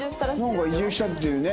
なんか移住したっていうね。